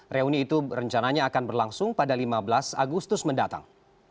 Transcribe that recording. reuni itu rencananya akan berlangsung pada lima belas agustus mendatang